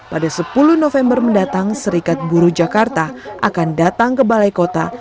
pada sepuluh november mendatang serikat buruh jakarta akan datang ke balai kota